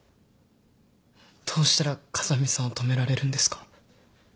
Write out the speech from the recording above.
どうしたら風見さんを止められるんですか？